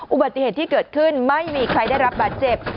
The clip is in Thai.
อุบัติเหตุที่เกิดขึ้นไม่มีใครได้รับบาดเจ็บ